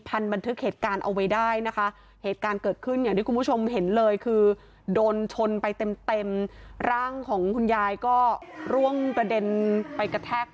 ภาพอีกมุมหนึ่งนะคะ